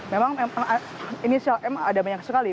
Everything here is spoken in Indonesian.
memang inisial ma ada banyak sekali